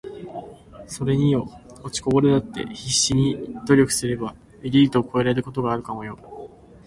｢それによ……落ちこぼれだって必死で努力すりゃエリートを超えることがあるかもよ｣